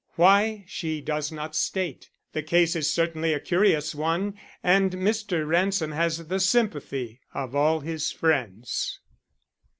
Why, she does not state. The case is certainly a curious one and Mr. Ransom has the sympathy of all his friends.